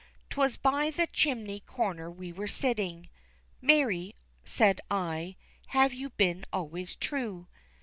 'Twas by the chimney corner we were sitting, "Mary," said I, "have you been always true?"